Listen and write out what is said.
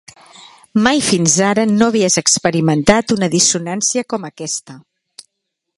Mai fins ara no havies experimentat una dissonància com aquesta.